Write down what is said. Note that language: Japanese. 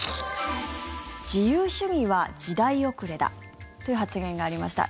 自由主義は時代遅れだという発言がありました。